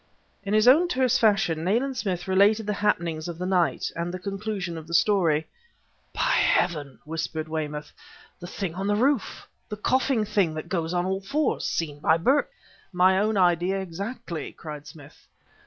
In his own terse fashion, Nayland Smith related the happenings of the night. At the conclusion of the story: "By heaven!" whispered Weymouth, "the thing on the roof the coughing thing that goes on all fours, seen by Burke..." "My own idea exactly!" cried Smith...